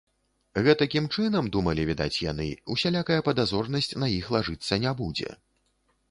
Гэтакім чынам, думалі, відаць, яны, усялякая падазронасць на іх лажыцца не будзе.